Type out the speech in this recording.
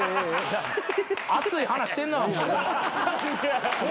熱い話してんな。